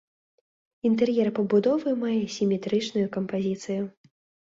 Інтэр'ер пабудовы мае сіметрычную кампазіцыю.